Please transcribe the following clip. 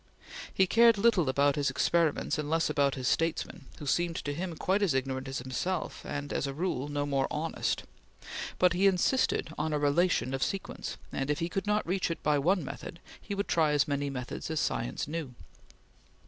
He cared little about his experiments and less about his statesmen, who seemed to him quite as ignorant as himself and, as a rule, no more honest; but he insisted on a relation of sequence, and if he could not reach it by one method, he would try as many methods as science knew.